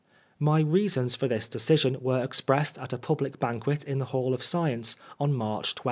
My reasons for this decision were ex pressed at a public banquet in the Hall of Science on March 12.